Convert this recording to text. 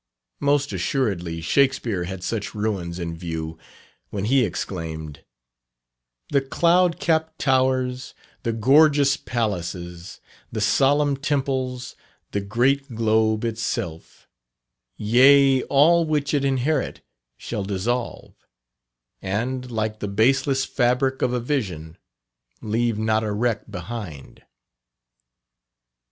Most assuredly Shakspere had such ruins in view when he exclaimed "The cloud capp'd towers, the gorgeous palaces, The solemn temples, the great globe itself, Yea, all which it inherit, shall dissolve And, like the baseless fabric of a vision, Leave not a wreck behind."